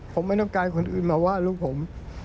ผมไม่ต้องการคนอื่นมาว่าลูกผม